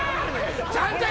ちゃんと！